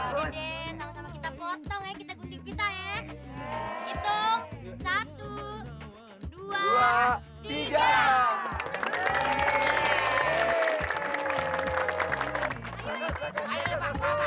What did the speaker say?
tapi sebelumnya mpok mpok ibu ibu ayah utangnya udah lunas pak